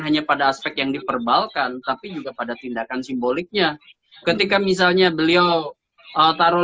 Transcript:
hanya pada aspek yang diperbalkan tapi juga pada tindakan simboliknya ketika misalnya beliau taruh